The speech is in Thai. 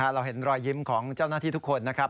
เราเห็นรอยยิ้มของเจ้าหน้าที่ทุกคนนะครับ